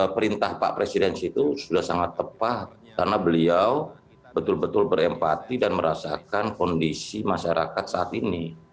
perintah pak presiden itu sudah sangat tepat karena beliau betul betul berempati dan merasakan kondisi masyarakat saat ini